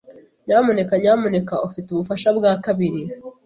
Nyamuneka nyamuneka ufite ubufasha bwa kabiri.